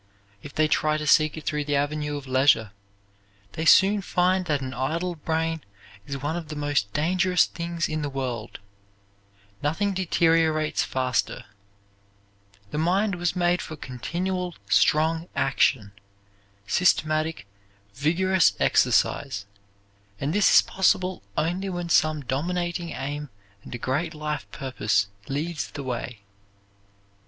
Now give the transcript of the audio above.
If they try to seek it through the avenue of leisure they soon find that an idle brain is one of the most dangerous things in the world nothing deteriorates faster. The mind was made for continual strong action, systematic, vigorous exercise, and this is possible only when some dominating aim and a great life purpose leads the way.